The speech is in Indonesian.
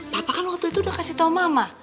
papa kan waktu itu udah kasih tahu mama